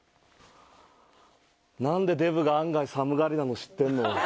何でデブが案外寒がりなの知ってんの？